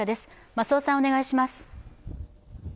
増尾さん、お願いします。